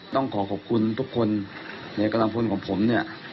ต้องขอขอบคุณทุกคนในกำลังพลของผมเนี่ย